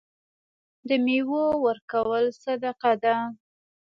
د میوو ورکول صدقه ده.